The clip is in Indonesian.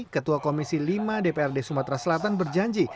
ketua komisi lima dprd sumatera selatan berjanji